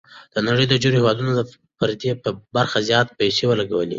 د نړۍ ډېرو هېوادونو پر دې برخه زياتې پيسې ولګولې.